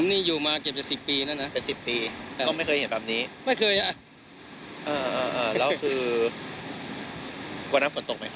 ผมนี่อยู่มาเกือบจะสิบปีแล้วนะ